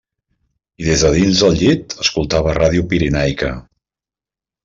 I des de dins el llit escoltava Ràdio Pirenaica.